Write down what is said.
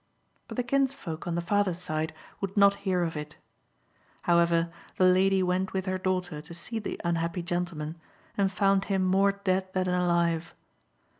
But the kinsfolk on the father's side would not hear of it. How ever, the lady went with her daughter to see the unhappy gentleman, and found him more dead than alive.